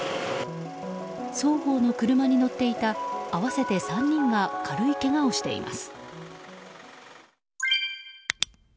双方の車に乗っていた合わせて３人が軽いけがをしています。